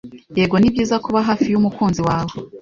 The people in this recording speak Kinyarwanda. Yego ni byiza kuba hafi y’umukunzi wawe,